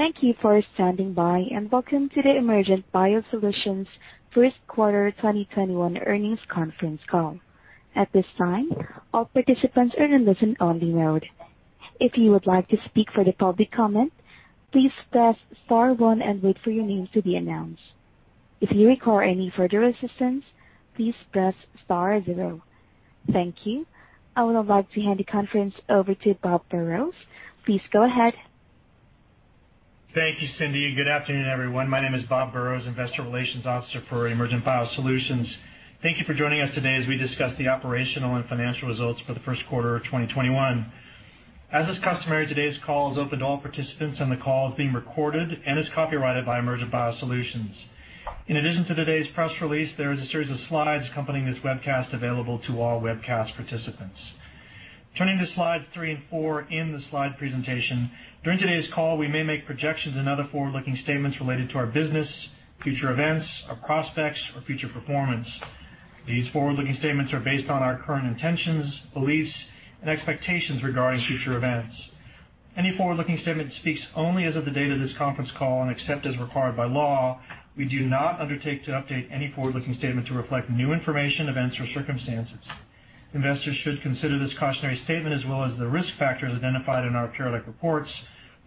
Thank you for standing by. Welcome to the Emergent BioSolutions first quarter 2021 earnings conference call. At this time, all participants are in listen-only mode. If you would like to speak for the public comment, please press star one and wait for your name to be announced. If you require any further assistance, please press star zero. Thank you. I would like to hand the conference over to Bob Burrows. Please go ahead. Thank you, Cindy. Good afternoon, everyone. My name is Bob Burrows, Investor Relations Officer for Emergent BioSolutions. Thank you for joining us today as we discuss the operational and financial results for the first quarter of 2021. As is customary, today's call is open to all participants, and the call is being recorded and is copyrighted by Emergent BioSolutions. In addition to today's press release, there is a series of slides accompanying this webcast available to all webcast participants. Turning to slides three and four in the slide presentation, during today's call, we may make projections and other forward-looking statements related to our business, future events, our prospects, or future performance. These forward-looking statements are based on our current intentions, beliefs, and expectations regarding future events. Any forward-looking statement speaks only as of the date of this conference call, and except as required by law, we do not undertake to update any forward-looking statement to reflect new information, events, or circumstances. Investors should consider this cautionary statement as well as the risk factors identified in our periodic reports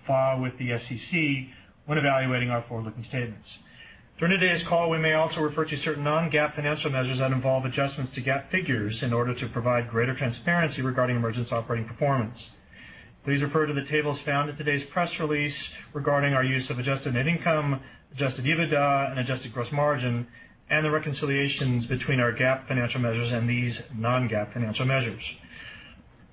filed with the SEC when evaluating our forward-looking statements. During today's call, we may also refer to certain non-GAAP financial measures that involve adjustments to GAAP figures in order to provide greater transparency regarding Emergent's operating performance. Please refer to the tables found in today's press release regarding our use of adjusted net income, adjusted EBITDA, and adjusted gross margin, and the reconciliations between our GAAP financial measures and these non-GAAP financial measures.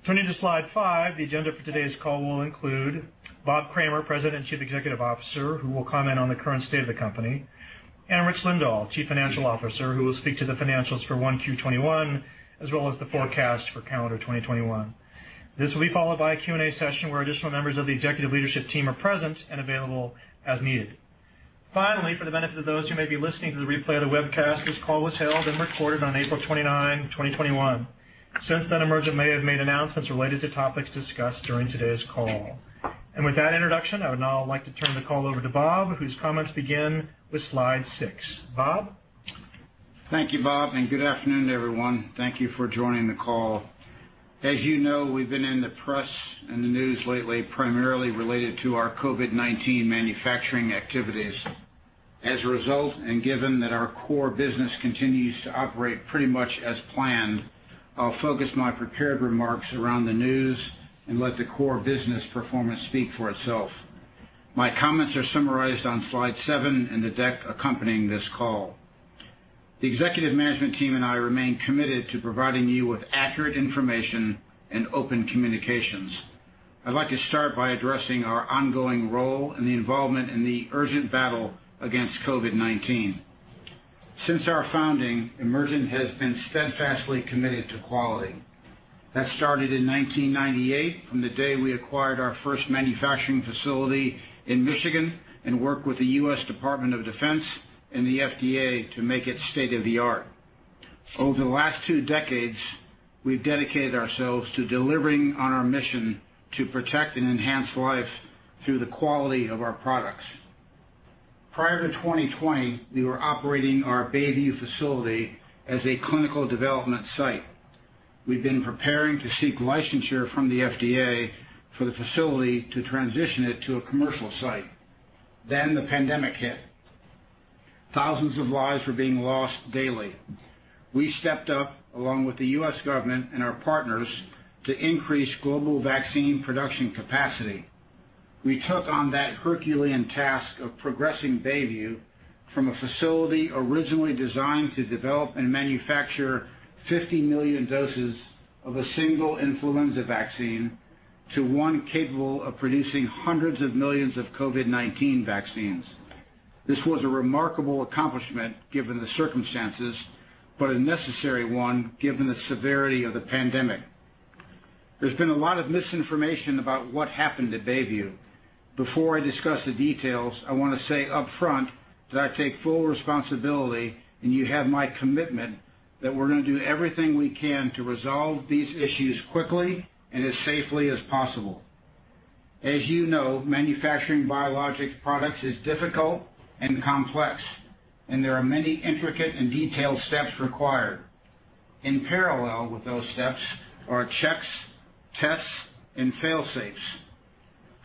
Turning to slide five, the agenda for today's call will include Bob Kramer, President and Chief Executive Officer, who will comment on the current state of the company, and Rich Lindahl, Chief Financial Officer, who will speak to the financials for 1Q 2021, as well as the forecast for calendar 2021. This will be followed by a Q&A session where additional members of the executive leadership team are present and available as needed. Finally, for the benefit of those who may be listening to the replay of the webcast, this call was held and recorded on April 29, 2021. Since then, Emergent may have made announcements related to topics discussed during today's call. With that introduction, I would now like to turn the call over to Bob, whose comments begin with slide six. Bob? Thank you, Bob, and good afternoon, everyone. Thank you for joining the call. As you know, we've been in the press and the news lately, primarily related to our COVID-19 manufacturing activities. As a result, and given that our core business continues to operate pretty much as planned, I'll focus my prepared remarks around the news and let the core business performance speak for itself. My comments are summarized on slide seven in the deck accompanying this call. The executive management team and I remain committed to providing you with accurate information and open communications. I'd like to start by addressing our ongoing role and the involvement in the urgent battle against COVID-19. Since our founding, Emergent has been steadfastly committed to quality. That started in 1998 from the day we acquired our first manufacturing facility in Michigan and worked with the U.S. Department of Defense and the FDA to make it state-of-the-art. Over the last two decades, we've dedicated ourselves to delivering on our mission to protect and enhance lives through the quality of our products. Prior to 2020, we were operating our Bayview facility as a clinical development site. We'd been preparing to seek licensure from the FDA for the facility to transition it to a commercial site. Then the pandemic hit. Thousands of lives were being lost daily. We stepped up along with the U.S. government and our partners to increase global vaccine production capacity. We took on that Herculean task of progressing Bayview from a facility originally designed to develop and manufacture 50 million doses of a single influenza vaccine to one capable of producing hundreds of millions of COVID-19 vaccines. This was a remarkable accomplishment given the circumstances, but a necessary one given the severity of the pandemic. There's been a lot of misinformation about what happened at Bayview. Before I discuss the details, I want to say upfront that I take full responsibility, and you have my commitment that we're going to do everything we can to resolve these issues quickly and as safely as possible. As you know, manufacturing biologic products is difficult and complex, and there are many intricate and detailed steps required. In parallel with those steps are checks, tests, and fail-safes.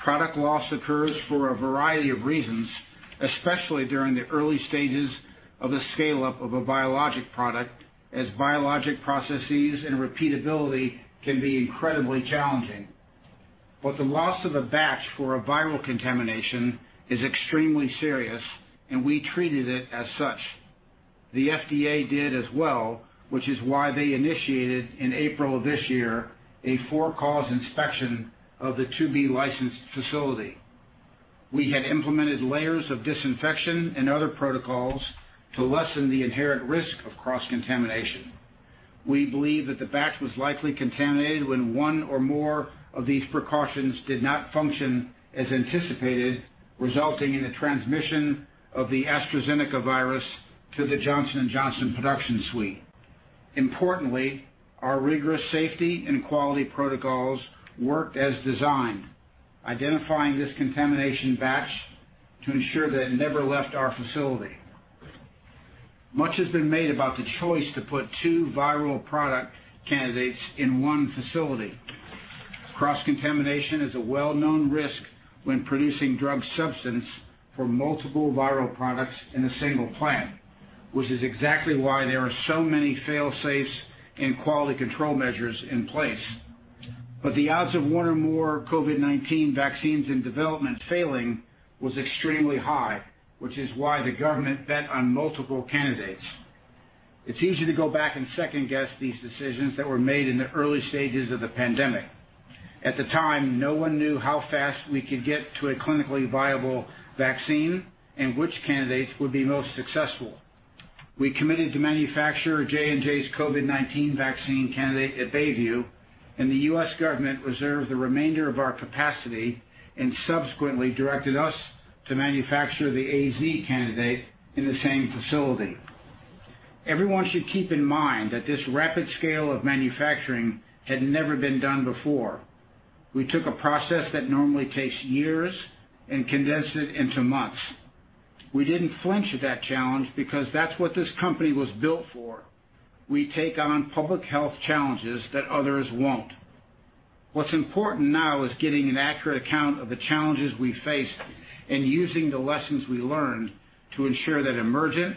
Product loss occurs for a variety of reasons, especially during the early stages of the scale-up of a biologic product, as biologic processes and repeatability can be incredibly challenging. The loss of a batch for a viral contamination is extremely serious, and we treated it as such. The FDA did as well, which is why they initiated in April of this year a for-cause inspection of the to-be licensed facility. We had implemented layers of disinfection and other protocols to lessen the inherent risk of cross-contamination. We believe that the batch was likely contaminated when one or more of these precautions did not function as anticipated, resulting in the transmission of the AstraZeneca virus to the Johnson & Johnson production suite. Importantly, our rigorous safety and quality protocols worked as designed, identifying this contamination batch to ensure that it never left our facility. Much has been made about the choice to put two viral product candidates in one facility. Cross-contamination is a well-known risk when producing drug substance for multiple viral products in a single plant, which is exactly why there are so many fail-safes and quality control measures in place. The odds of one or more COVID-19 vaccines in development failing was extremely high, which is why the government bet on multiple candidates. It's easy to go back and second-guess these decisions that were made in the early stages of the pandemic. At the time, no one knew how fast we could get to a clinically viable vaccine and which candidates would be most successful. We committed to manufacture J&J's COVID-19 vaccine candidate at Bayview, and the U.S. government reserved the remainder of our capacity and subsequently directed us to manufacture the AZ candidate in the same facility. Everyone should keep in mind that this rapid scale of manufacturing had never been done before. We took a process that normally takes years and condensed it into months. We didn't flinch at that challenge because that's what this company was built for. We take on public health challenges that others won't. What's important now is getting an accurate account of the challenges we faced and using the lessons we learned to ensure that Emergent,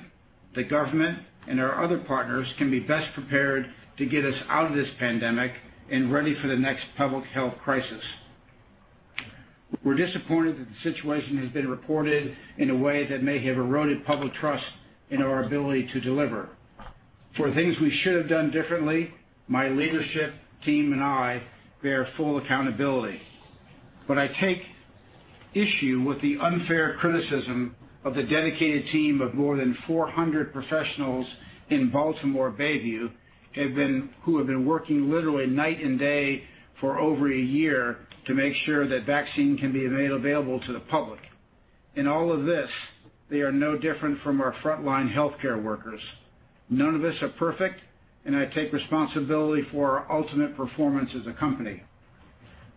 the government, and our other partners can be best prepared to get us out of this pandemic and ready for the next public health crisis. We're disappointed that the situation has been reported in a way that may have eroded public trust in our ability to deliver. For things we should have done differently, my leadership team and I bear full accountability. I take issue with the unfair criticism of the dedicated team of more than 400 professionals in Baltimore Bayview, who have been working literally night and day for over a year to make sure that vaccine can be made available to the public. In all of this, they are no different from our frontline healthcare workers. None of us are perfect, and I take responsibility for our ultimate performance as a company.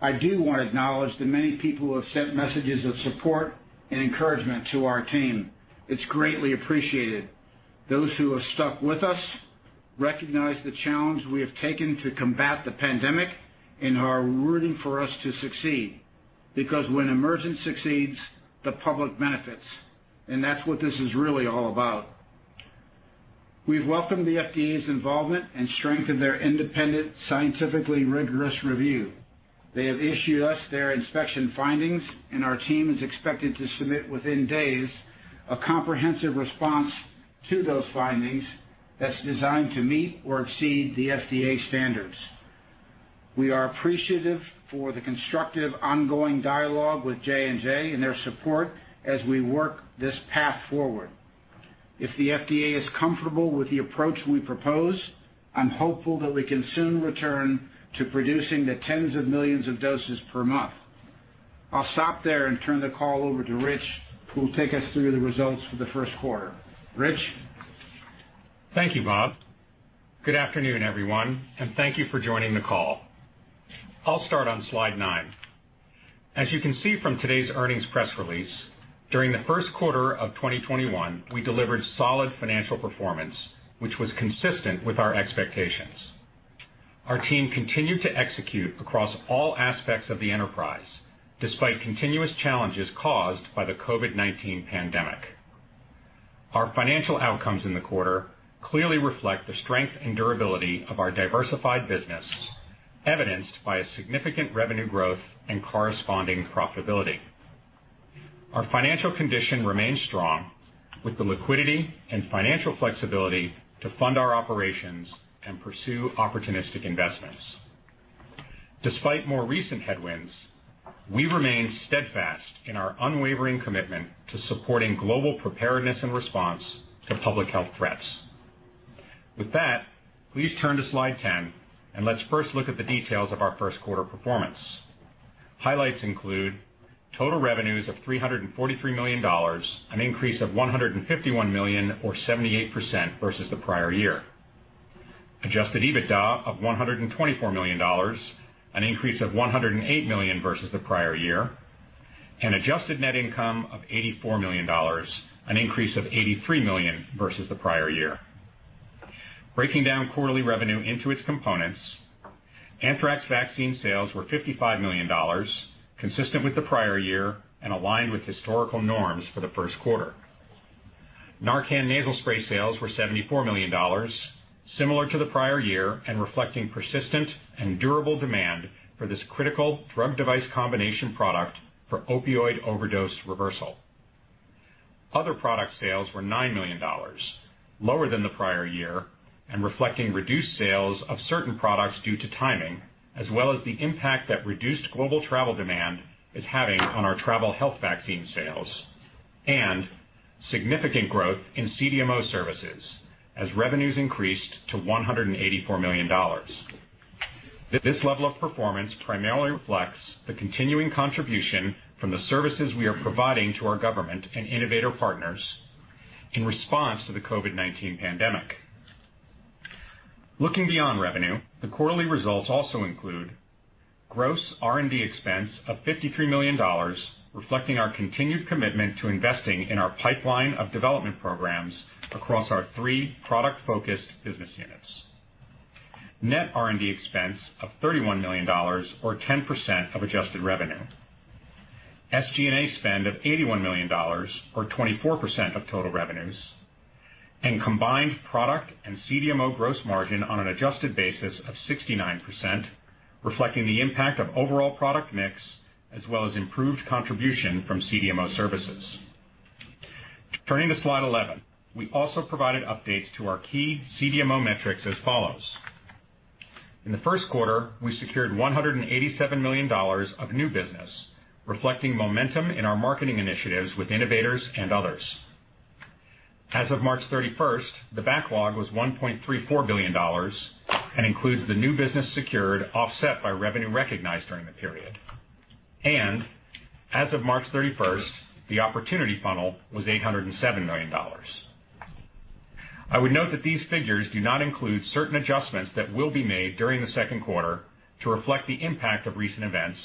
I do want to acknowledge the many people who have sent messages of support and encouragement to our team. It's greatly appreciated. Those who have stuck with us recognize the challenge we have taken to combat the pandemic and are rooting for us to succeed. When Emergent succeeds, the public benefits, and that's what this is really all about. We've welcomed the FDA's involvement and strength of their independent, scientifically rigorous review. They have issued us their inspection findings. Our team is expected to submit, within days, a comprehensive response to those findings that's designed to meet or exceed the FDA standards. We are appreciative for the constructive ongoing dialogue with J&J and their support as we work this path forward. If the FDA is comfortable with the approach we propose, I'm hopeful that we can soon return to producing the tens of millions of doses per month. I'll stop there and turn the call over to Rich, who will take us through the results for the first quarter. Rich? Thank you, Bob. Good afternoon, everyone, and thank you for joining the call. I'll start on slide nine. As you can see from today's earnings press release, during the first quarter of 2021, we delivered solid financial performance, which was consistent with our expectations. Our team continued to execute across all aspects of the enterprise, despite continuous challenges caused by the COVID-19 pandemic. Our financial outcomes in the quarter clearly reflect the strength and durability of our diversified business, evidenced by a significant revenue growth and corresponding profitability. Our financial condition remains strong with the liquidity and financial flexibility to fund our operations and pursue opportunistic investments. Despite more recent headwinds, we remain steadfast in our unwavering commitment to supporting global preparedness and response to public health threats. With that, please turn to slide 10, and let's first look at the details of our first quarter performance. Highlights include total revenues of $343 million, an increase of $151 million or 78% versus the prior year. Adjusted EBITDA of $124 million, an increase of $108 million versus the prior year. An adjusted net income of $84 million, an increase of $83 million versus the prior year. Breaking down quarterly revenue into its components, anthrax vaccine sales were $55 million, consistent with the prior year and aligned with historical norms for the first quarter. NARCAN Nasal Spray sales were $74 million, similar to the prior year and reflecting persistent and durable demand for this critical drug device combination product for opioid overdose reversal. Other product sales were $9 million, lower than the prior year and reflecting reduced sales of certain products due to timing, as well as the impact that reduced global travel demand is having on our travel health vaccine sales, and significant growth in CDMO services as revenues increased to $184 million. This level of performance primarily reflects the continuing contribution from the services we are providing to our government and innovator partners in response to the COVID-19 pandemic. Looking beyond revenue, the quarterly results also include gross R&D expense of $53 million, reflecting our continued commitment to investing in our pipeline of development programs across our three product-focused business units. Net R&D expense of $31 million, or 10% of adjusted revenue. SG&A spend of $81 million or 24% of total revenues. Combined product and CDMO gross margin on an adjusted basis of 69%, reflecting the impact of overall product mix, as well as improved contribution from CDMO services. Turning to slide 11. We also provided updates to our key CDMO metrics as follows. In the first quarter, we secured $187 million of new business, reflecting momentum in our marketing initiatives with innovators and others. As of March 31st, the backlog was $1.34 billion and includes the new business secured, offset by revenue recognized during the period. As of March 31st, the opportunity funnel was $807 million. I would note that these figures do not include certain adjustments that will be made during the second quarter to reflect the impact of recent events,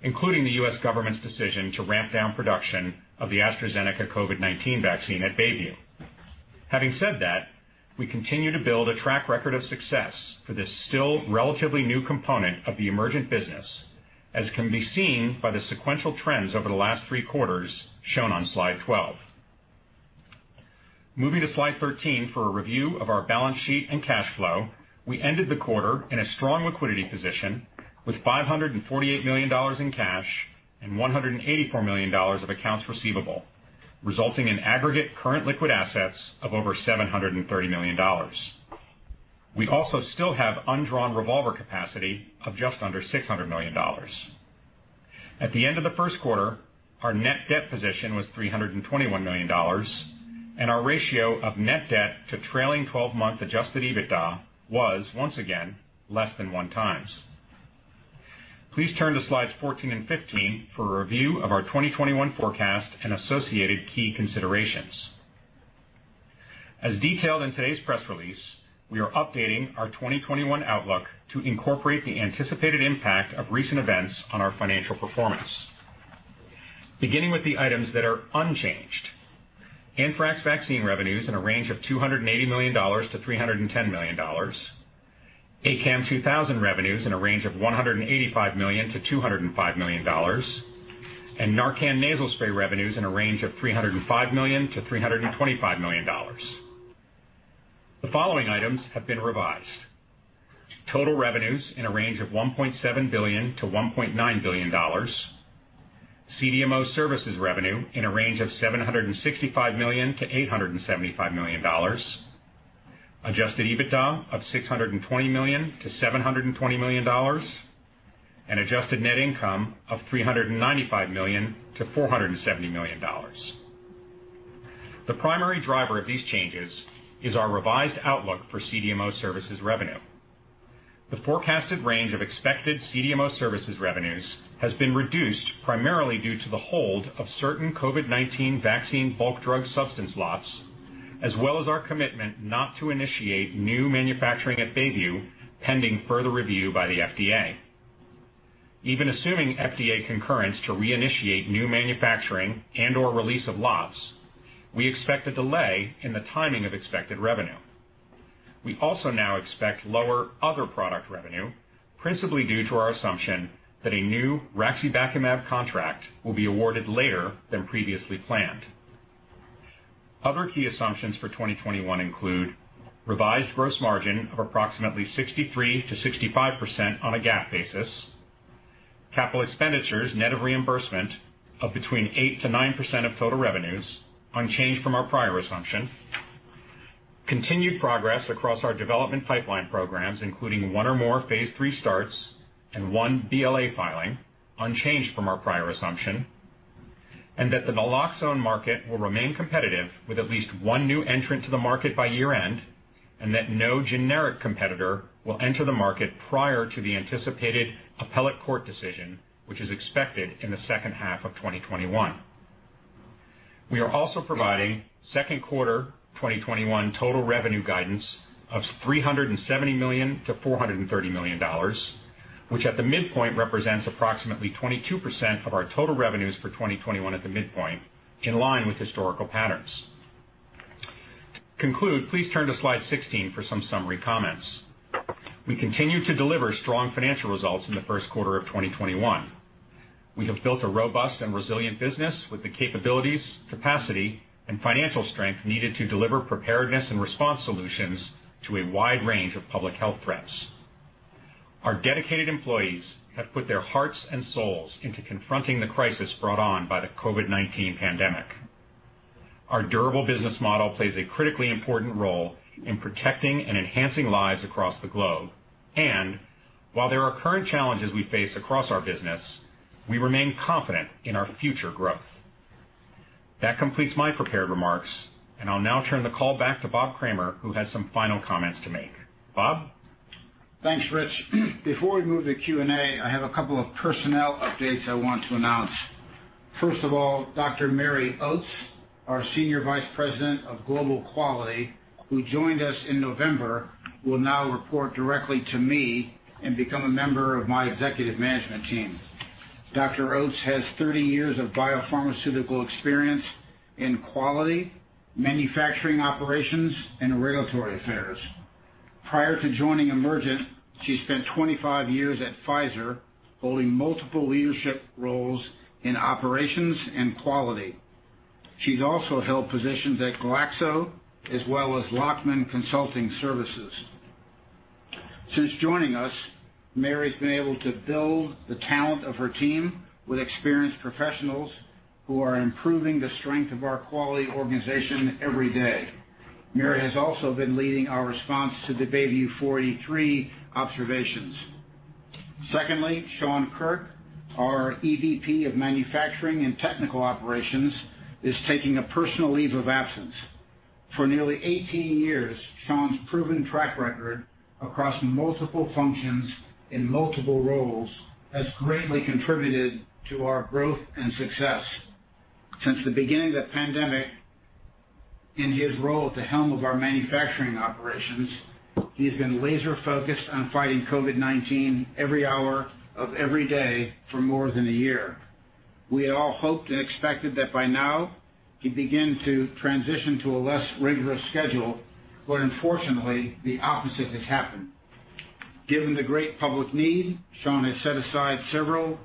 including the U.S. government's decision to ramp down production of the AstraZeneca COVID-19 vaccine at Bayview. Having said that, we continue to build a track record of success for this still relatively new component of the Emergent business, as can be seen by the sequential trends over the last three quarters shown on slide 12. Moving to slide 13 for a review of our balance sheet and cash flow. We ended the quarter in a strong liquidity position with $548 million in cash and $184 million of accounts receivable, resulting in aggregate current liquid assets of over $730 million. We also still have undrawn revolver capacity of just under $600 million. At the end of the first quarter, our net debt position was $321 million, and our ratio of net debt to trailing 12-month adjusted EBITDA was, once again, less than one times. Please turn to slides 14 and 15 for a review of our 2021 forecast and associated key considerations. As detailed in today's press release, we are updating our 2021 outlook to incorporate the anticipated impact of recent events on our financial performance. Beginning with the items that are unchanged. Anthrax vaccine revenues in a range of $280 million-$310 million, ACAM2000 revenues in a range of $185 million-$205 million, and NARCAN Nasal Spray revenues in a range of $305 million-$325 million. The following items have been revised. Total revenues in a range of $1.7 billion-$1.9 billion. CDMO services revenue in a range of $765 million-$875 million. Adjusted EBITDA of $620 million-$720 million. Adjusted net income of $395 million-$470 million. The primary driver of these changes is our revised outlook for CDMO services revenue. The forecasted range of expected CDMO services revenues has been reduced primarily due to the hold of certain COVID-19 vaccine bulk drug substance lots, as well as our commitment not to initiate new manufacturing at Bayview, pending further review by the FDA. Even assuming FDA concurrence to reinitiate new manufacturing and/or release of lots, we expect a delay in the timing of expected revenue. We also now expect lower other product revenue, principally due to our assumption that a new raxibacumab contract will be awarded later than previously planned. Other key assumptions for 2021 include revised gross margin of approximately 63%-65% on a GAAP basis. Capital expenditures net of reimbursement of between 8%-9% of total revenues, unchanged from our prior assumption. Continued progress across our development pipeline programs, including one or more phase III starts and one BLA filing, unchanged from our prior assumption. That the naloxone market will remain competitive with at least one new entrant to the market by year-end, and that no generic competitor will enter the market prior to the anticipated appellate court decision, which is expected in the second half of 2021. We are also providing second quarter 2021 total revenue guidance of $370 million-$430 million, which at the midpoint represents approximately 22% of our total revenues for 2021 at the midpoint, in line with historical patterns. Conclude, please turn to slide 16 for some summary comments. We continue to deliver strong financial results in the first quarter of 2021. We have built a robust and resilient business with the capabilities, capacity, and financial strength needed to deliver preparedness and response solutions to a wide range of public health threats. Our dedicated employees have put their hearts and souls into confronting the crisis brought on by the COVID-19 pandemic. Our durable business model plays a critically important role in protecting and enhancing lives across the globe. While there are current challenges we face across our business, we remain confident in our future growth. That completes my prepared remarks, and I'll now turn the call back to Bob Kramer, who has some final comments to make. Bob? Thanks, Rich. Before we move to Q&A, I have a couple of personnel updates I want to announce. First of all, Dr. Mary Oates, our Senior Vice President of Global Quality, who joined us in November, will now report directly to me and become a member of my executive management team. Dr. Oates has 30 years of biopharmaceutical experience in quality, manufacturing operations, and regulatory affairs. Prior to joining Emergent, she spent 25 years at Pfizer holding multiple leadership roles in operations and quality. She's also held positions at Glaxo as well as Lachman Consulting Services. Since joining us, Mary's been able to build the talent of her team with experienced professionals who are improving the strength of our quality organization every day. Mary has also been leading our response to the Bayview 483 observations. Secondly, Sean Kirk, our EVP of Manufacturing and Technical Operations, is taking a personal leave of absence. For nearly 18 years, Sean's proven track record across multiple functions in multiple roles has greatly contributed to our growth and success. Since the beginning of the pandemic, in his role at the helm of our manufacturing operations, he has been laser-focused on fighting COVID-19 every hour of every day for more than a year. We had all hoped and expected that by now he'd begin to transition to a less rigorous schedule, but unfortunately, the opposite has happened. Given the great public need, Sean has set aside several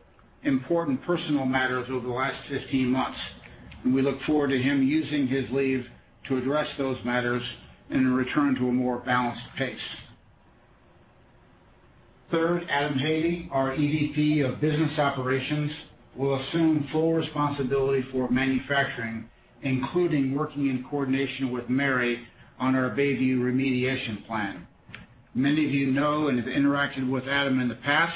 important personal matters over the last 15 months, and we look forward to him using his leave to address those matters and return to a more balanced pace. Third, Adam Havey, our EVP of Business Operations, will assume full responsibility for manufacturing, including working in coordination with Mary on our Bayview remediation plan. Many of you know and have interacted with Adam in the past.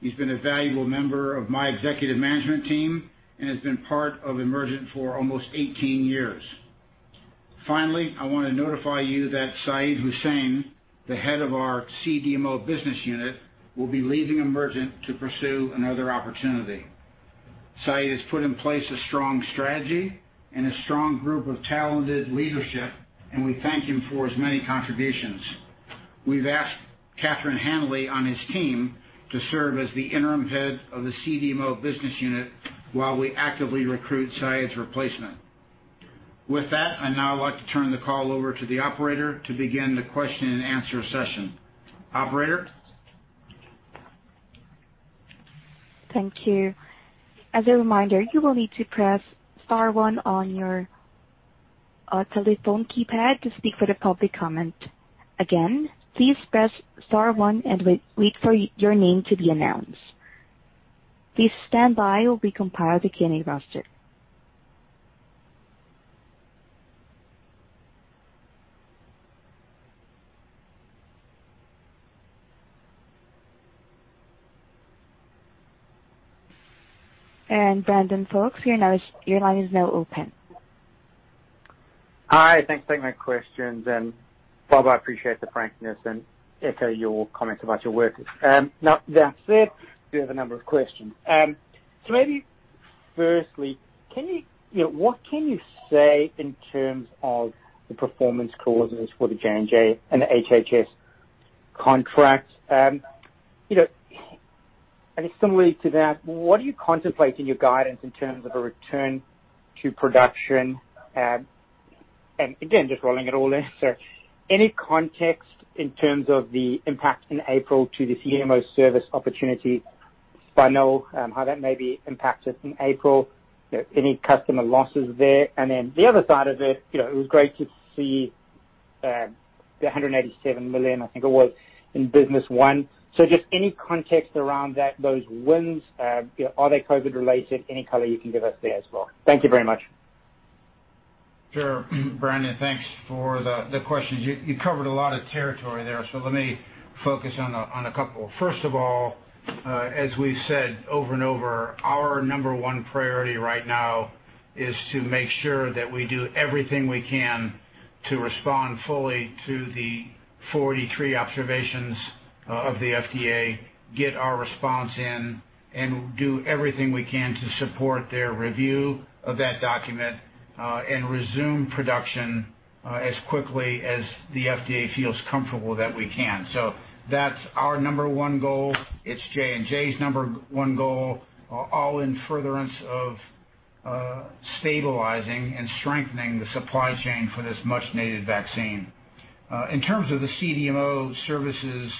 He's been a valuable member of my executive management team and has been part of Emergent for almost 18 years. Finally, I want to notify you that Syed Husain, the Head of our CDMO Business Unit, will be leaving Emergent to pursue another opportunity. Syed has put in place a strong strategy and a strong group of talented leadership, and we thank him for his many contributions. We've asked Catherine Hanley on his team to serve as the Interim Head of the CDMO Business Unit while we actively recruit Syed's replacement. With that, I'd now like to turn the call over to the operator to begin the question and answer session. Operator? Thank you. As a reminder, you will need to press star one on your telephone keypad to speak for the public comment. Again, please press star one and wait for your name to be announced. Please stand by while we compile the Q&A roster. Brandon Folkes, your line is now open. Hi, thanks for taking my questions. Bob, I appreciate the frankness and echo your comments about your workers. That said, we have a number of questions. Maybe firstly, what can you say in terms of the performance clauses for the J&J and the HHS contracts? Similarly to that, what do you contemplate in your guidance in terms of a return to production? Again, just rolling it all in, any context in terms of the impact in April to the CDMO service opportunity funnel, how that maybe impacted in April, any customer losses there? The other side of it was great to see the $187 million, I think it was, in business won. Just any context around those wins, are they COVID-related? Any color you can give us there as well. Thank you very much. Sure. Brandon, thanks for the questions. You covered a lot of territory there, let me focus on a couple. First of all, as we've said over and over, our number one priority right now is to make sure that we do everything we can to respond fully to the 483 observations of the FDA, get our response in, and do everything we can to support their review of that document, and resume production as quickly as the FDA feels comfortable that we can. That's our number one goal. It's J&J's number one goal, all in furtherance of stabilizing and strengthening the supply chain for this much-needed vaccine. In terms of the CDMO services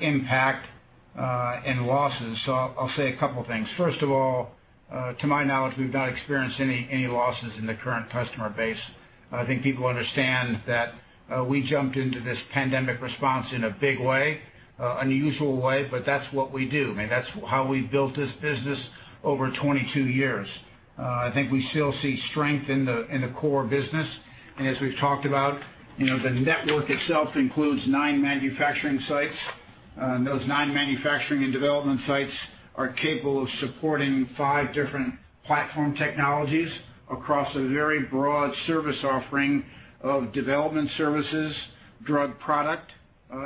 impact and losses, I'll say a couple of things. First of all, to my knowledge, we've not experienced any losses in the current customer base. I think people understand that we jumped into this pandemic response in a big way, unusual way, but that's what we do. That's how we've built this business over 22 years. I think we still see strength in the core business. As we've talked about, the network itself includes nine manufacturing sites. Those nine manufacturing and development sites are capable of supporting five different platform technologies across a very broad service offering of development services, drug product,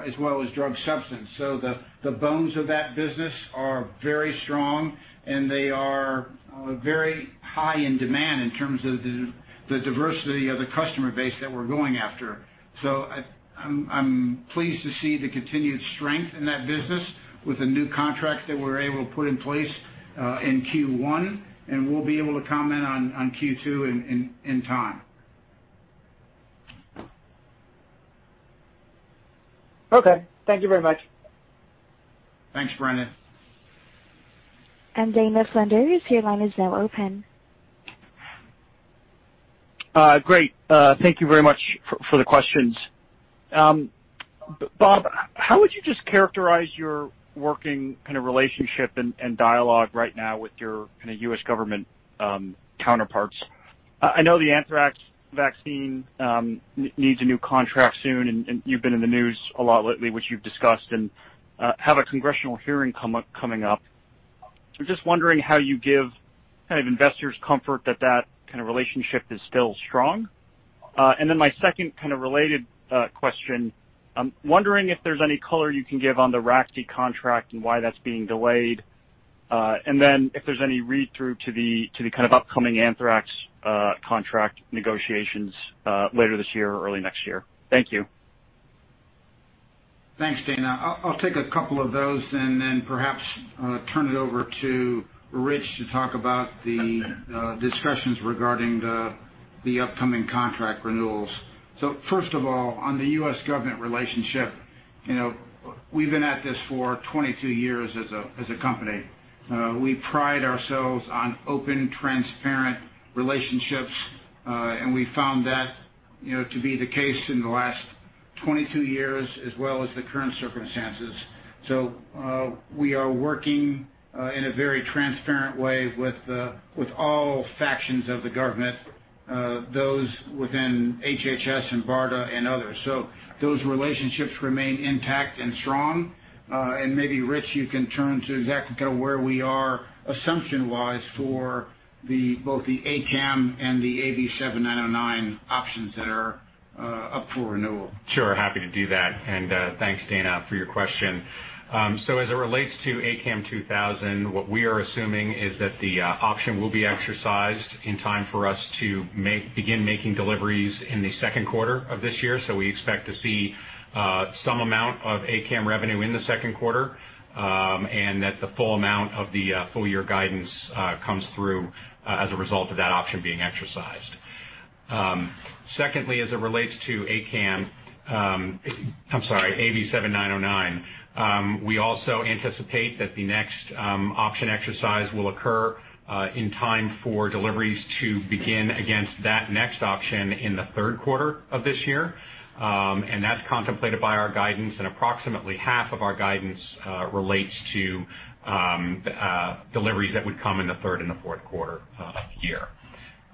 as well as drug substance. The bones of that business are very strong, and they are very high in demand in terms of the diversity of the customer base that we're going after. I'm pleased to see the continued strength in that business with the new contracts that we're able to put in place in Q1, and we'll be able to comment on Q2 in time. Okay. Thank you very much. Thanks, Brandon. And Dana Flanders, your line is now open. Great. Thank you very much for the questions. Bob, how would you just characterize your working relationship and dialogue right now with your U.S. government counterparts? I know the anthrax vaccine needs a new contract soon, and you've been in the news a lot lately, which you've discussed, and have a congressional hearing coming up. I'm just wondering how you give investors comfort that that kind of relationship is still strong. My second related question, I'm wondering if there's any color you can give on the raxi contract and why that's being delayed. If there's any read-through to the upcoming anthrax contract negotiations later this year or early next year. Thank you. Thanks, Dana. I'll take a couple of those and then perhaps turn it over to Rich to talk about the discussions regarding the upcoming contract renewals. First of all, on the U.S. government relationship, we've been at this for 22 years as a company. We pride ourselves on open, transparent relationships. We found that to be the case in the last 22 years as well as the current circumstances. We are working in a very transparent way with all factions of the government, those within HHS and BARDA and others. Those relationships remain intact and strong. Maybe Rich, you can turn to exactly to where we are assumption-wise for both the ACAM and the AV7909 options that are up for renewal. Sure. Happy to do that. Thanks, Dana, for your question. As it relates to ACAM2000, what we are assuming is that the option will be exercised in time for us to begin making deliveries in the second quarter of this year. We expect to see some amount of ACAM revenue in the second quarter, and that the full amount of the full year guidance comes through as a result of that option being exercised. Secondly, as it relates to ACAM, I'm sorry, AV7909, we also anticipate that the next option exercise will occur in time for deliveries to begin against that next option in the third quarter of this year, and that's contemplated by our guidance, and approximately half of our guidance relates to deliveries that would come in the third and the fourth quarter of the year.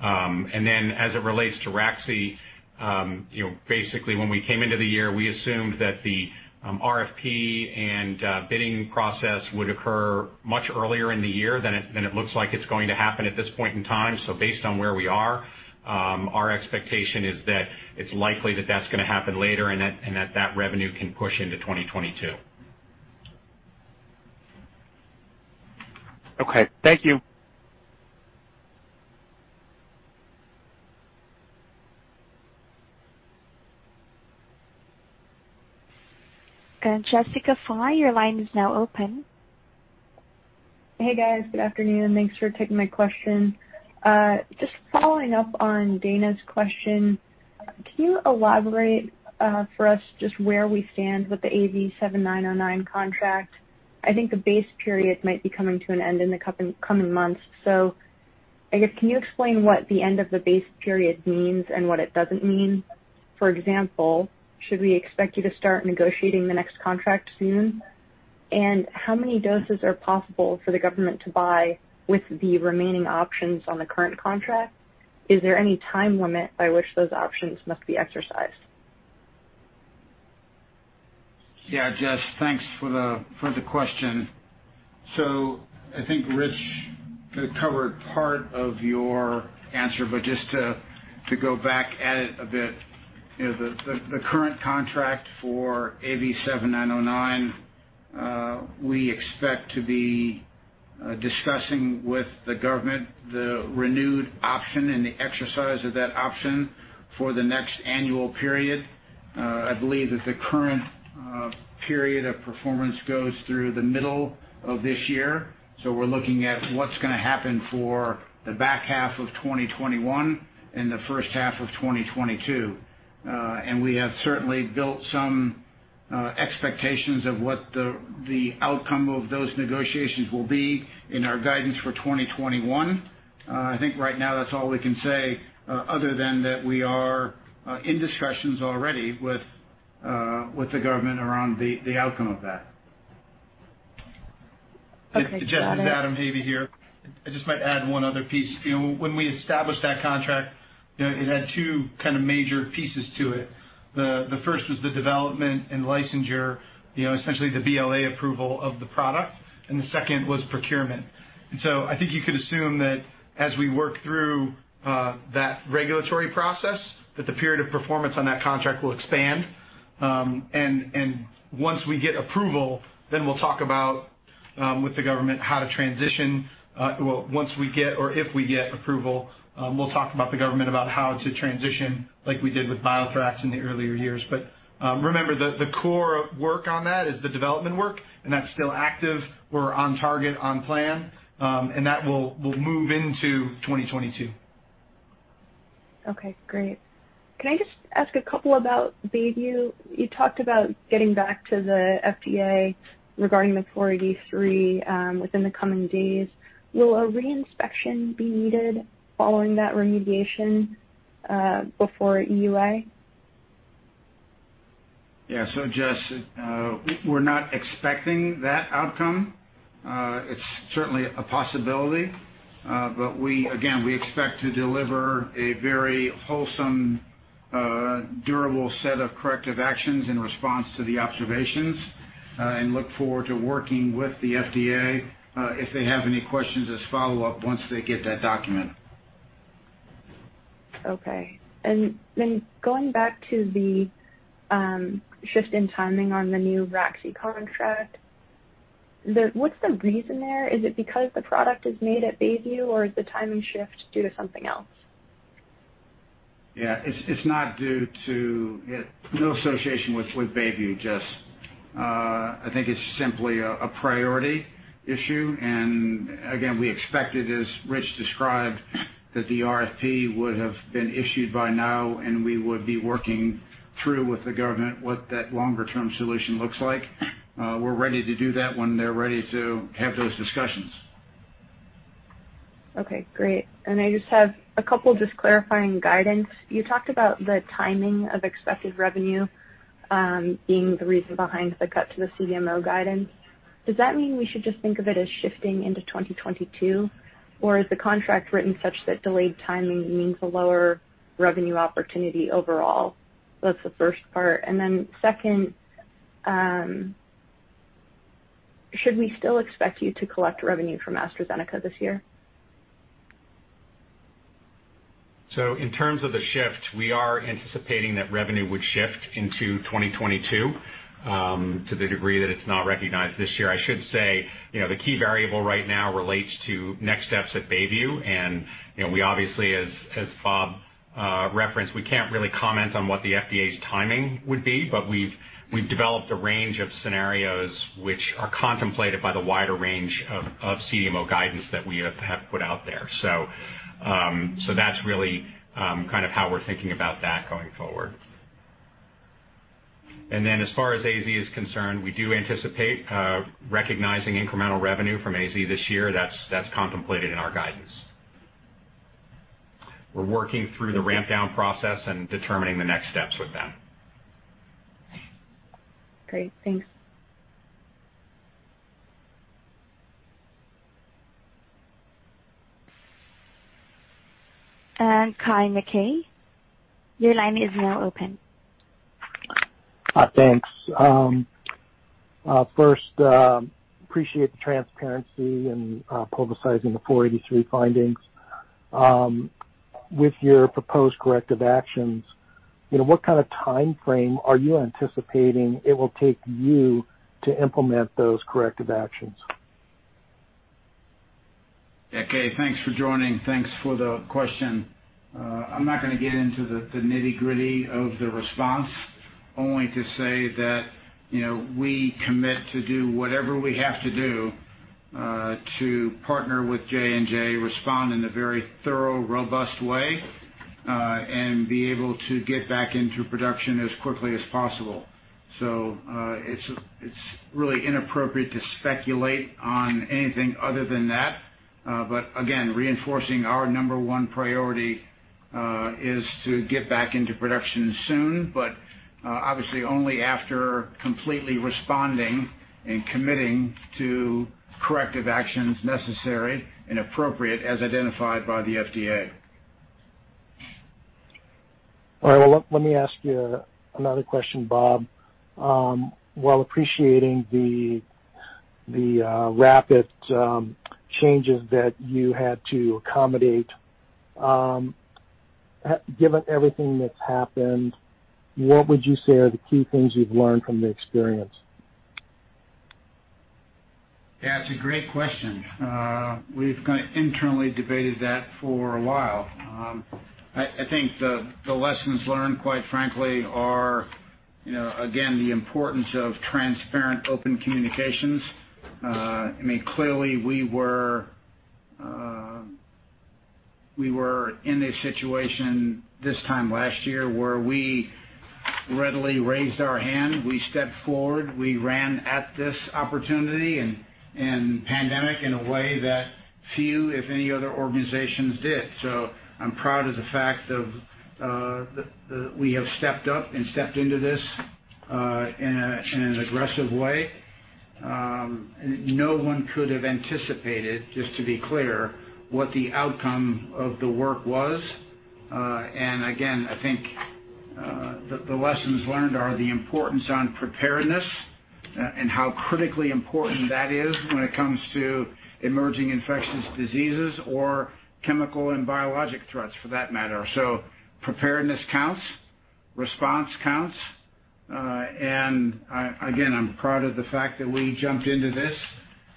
As it relates to raxi, basically when we came into the year, we assumed that the RFP and bidding process would occur much earlier in the year than it looks like it's going to happen at this point in time. Based on where we are, our expectation is that it's likely that that's going to happen later and that that revenue can push into 2022. Okay. Thank you. Jessica Fye, your line is now open. Hey, guys. Good afternoon. Thanks for taking my question. Just following up on Dana's question, can you elaborate for us just where we stand with the AV7909 contract? I think the base period might be coming to an end in the coming months. I guess can you explain what the end of the base period means and what it doesn't mean? For example, should we expect you to start negotiating the next contract soon? How many doses are possible for the government to buy with the remaining options on the current contract? Is there any time limit by which those options must be exercised? Yeah, Jess, thanks for the question. I think Rich covered part of your answer, but just to go back at it a bit, the current contract for AV7909, we expect to be discussing with the government the renewed option and the exercise of that option for the next annual period. I believe that the current period of performance goes through the middle of this year, so we're looking at what's going to happen for the back half of 2021 and the first half of 2022. We have certainly built some expectations of what the outcome of those negotiations will be in our guidance for 2021. I think right now that's all we can say other than that we are in discussions already with the government around the outcome of that. Okay. Got it. This is Adam Havey here. I just might add one other piece. When we established that contract, it had two major pieces to it. The first was the development and licensure, essentially the BLA approval of the product, and the second was procurement. I think you could assume that as we work through that regulatory process, that the period of performance on that contract will expand. Once we get approval, we'll talk about, with the government, how to transition. Well, once we get or if we get approval, we'll talk about the government about how to transition like we did with BioThrax in the earlier years. Remember, the core work on that is the development work, and that's still active. We're on target, on plan, and that will move into 2022. Okay, great. Can I just ask a couple about Bayview? You talked about getting back to the FDA regarding the 483 within the coming days. Will a re-inspection be needed following that remediation, before EUA? Yeah. Jess, we're not expecting that outcome. It's certainly a possibility. Again, we expect to deliver a very wholesome, durable set of corrective actions in response to the observations, and look forward to working with the FDA if they have any questions as follow-up once they get that document. Okay. Going back to the shift in timing on the new raxi contract, what's the reason there? Is it because the product is made at Bayview, or is the timing shift due to something else? Yeah. It's no association with Bayview, Jess. I think it's simply a priority issue. Again, we expected, as Rich described, that the RFP would have been issued by now, and we would be working through with the government what that longer-term solution looks like. We're ready to do that when they're ready to have those discussions. Okay. Great. I just have a couple clarifying guidance. You talked about the timing of expected revenue being the reason behind the cut to the CDMO guidance. Does that mean we should just think of it as shifting into 2022, or is the contract written such that delayed timing means a lower revenue opportunity overall? That's the first part. Then second, should we still expect you to collect revenue from AstraZeneca this year? In terms of the shift, we are anticipating that revenue would shift into 2022, to the degree that it's not recognized this year. I should say, the key variable right now relates to next steps at Bayview. We obviously, as Bob referenced, we can't really comment on what the FDA's timing would be, but we've developed a range of scenarios which are contemplated by the wider range of CDMO guidance that we have put out there. That's really how we're thinking about that going forward. As far as AZ is concerned, we do anticipate recognizing incremental revenue from AZ this year. That's contemplated in our guidance. We're working through the ramp down process and determining the next steps with them. Great. Thanks. Keay Nakae, your line is now open. Thanks. First, appreciate the transparency and publicizing the 483 findings. With your proposed corrective actions, what kind of timeframe are you anticipating it will take you to implement those corrective actions? Yeah, Keay, thanks for joining. Thanks for the question. I'm not going to get into the nitty-gritty of the response, only to say that we commit to do whatever we have to do, to partner with J&J, respond in a very thorough, robust way, and be able to get back into production as quickly as possible. It's really inappropriate to speculate on anything other than that. Again, reinforcing our number one priority is to get back into production soon, but obviously only after completely responding and committing to corrective actions necessary and appropriate as identified by the FDA. All right. Well, let me ask you another question, Bob. While appreciating the rapid changes that you had to accommodate, given everything that's happened, what would you say are the key things you've learned from the experience? Yeah, it's a great question. We've internally debated that for a while. I think the lessons learned, quite frankly, are again, the importance of transparent, open communications. I mean, clearly we were in a situation this time last year where we readily raised our hand. We stepped forward, we ran at this opportunity and pandemic in a way that few, if any, other organizations did. I'm proud of the fact that we have stepped up and stepped into this. In an aggressive way. No one could have anticipated, just to be clear, what the outcome of the work was. Again, I think the lessons learned are the importance on preparedness and how critically important that is when it comes to emerging infectious diseases or chemical and biologic threats for that matter. Preparedness counts, response counts, and again, I'm proud of the fact that we jumped into this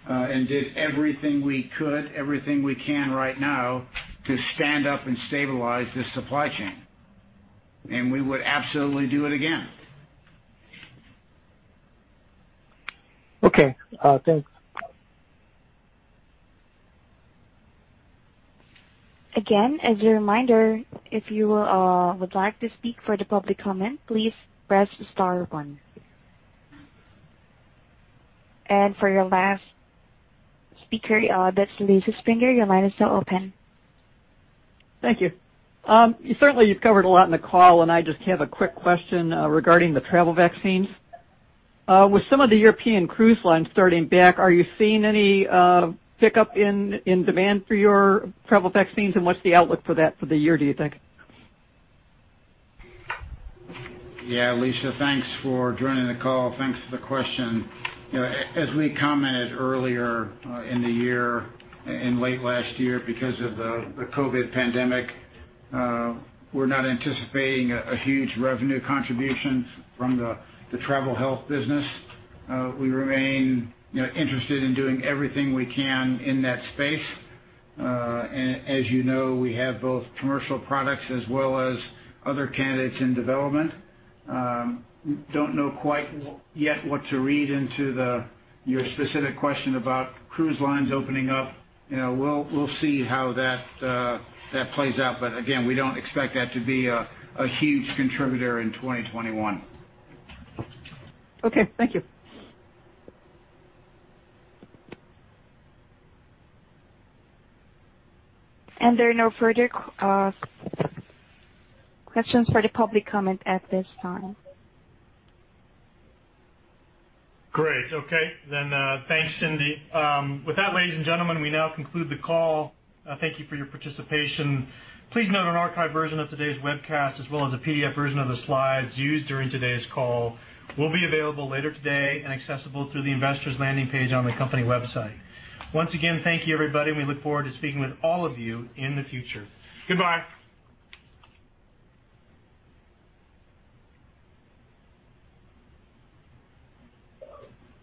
and did everything we could, everything we can right now to stand up and stabilize this supply chain. We would absolutely do it again. Okay. Thanks. Again, as a reminder, if you would like to speak for the public comment, please press the star one. For your last speaker, that's Lisa Springer, your line is still open. Thank you. Certainly, you've covered a lot in the call, and I just have a quick question regarding the travel vaccines. With some of the European cruise lines starting back, are you seeing any pickup in demand for your travel vaccines, and what's the outlook for that for the year, do you think? Yeah, Lisa, thanks for joining the call. Thanks for the question. As we commented earlier in the year and late last year, because of the COVID pandemic, we're not anticipating a huge revenue contribution from the travel health business. We remain interested in doing everything we can in that space. As you know, we have both commercial products as well as other candidates in development. Don't know quite yet what to read into your specific question about cruise lines opening up. We'll see how that plays out. Again, we don't expect that to be a huge contributor in 2021. Okay. Thank you. There are no further questions for the public comment at this time. Great. Okay, thanks, Cindy. With that, ladies and gentlemen, we now conclude the call. Thank you for your participation. Please note an archived version of today's webcast, as well as a PDF version of the slides used during today's call will be available later today and accessible through the investors landing page on the company website. Once again, thank you everybody, and we look forward to speaking with all of you in the future. Goodbye.